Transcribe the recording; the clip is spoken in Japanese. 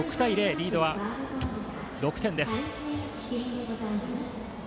リードは６点です。